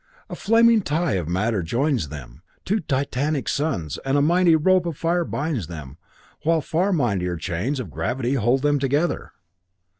A flaming tie of matter joins them, two titanic suns, and a mighty rope of fire binds them, while far mightier chains of gravity hold them together.